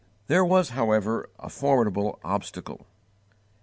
There was, however, a formidable obstacle.